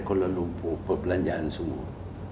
kuala lumpur perbelanjaan semua